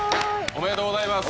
おめでとうございます。